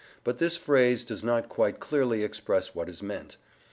But this phrase does not quite clearly express what is meant.